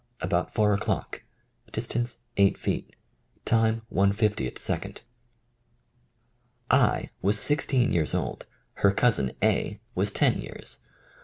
About 4 o'clock. Distance : 8 feet. Time : l 50th second. I. was sixteen years old; her cousin A. was ten years.